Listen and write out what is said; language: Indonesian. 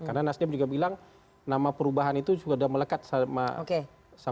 karena nasdem juga bilang nama perubahan itu sudah melekat sama nama nasdem